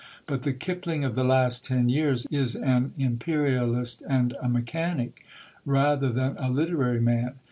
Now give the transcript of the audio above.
But the Kipling of the last ten years is an Imperialist and a Mechanic, rather than a literary man.